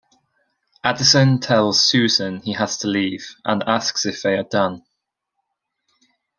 Addison tells Susan he has to leave and asks if they are done.